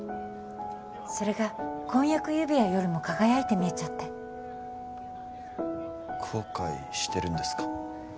それが婚約指輪よりも輝いて見えちゃって後悔してるんですか？